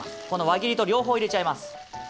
この輪切りと両方入れちゃいます。